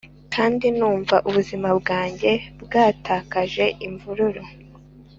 kandi numva ubuzima bwanjye bwatakaje imvururu.